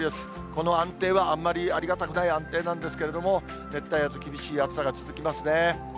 この安定はあんまりありがたくない安定なんですけれども、熱帯夜と厳しい暑さが続きますね。